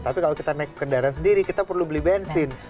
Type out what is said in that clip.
tapi kalau kita naik kendaraan sendiri kita perlu beli bensin